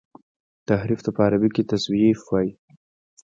تحريف ته په عربي کي تزييف وايي.